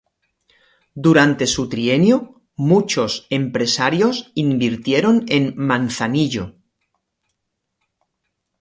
Durante su trienio, muchos empresarios invirtieron en Manzanillo.